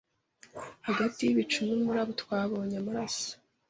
hagati yibicu numuraba twabonye amaraso